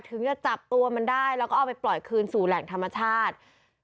จะจับตัวมันได้แล้วก็เอาไปปล่อยคืนสู่แหล่งธรรมชาติ